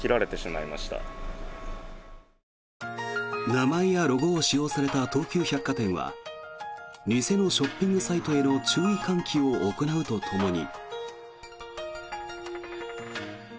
名前やロゴを使用された東急百貨店は偽のショッピングサイトへの注意喚起を行うとともに。